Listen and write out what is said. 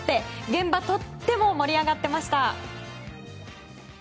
現場、とっても盛り上がっていました。